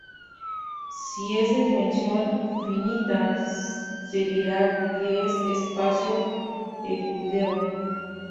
Si es de dimensión finita se dirá que es espacio euclídeo.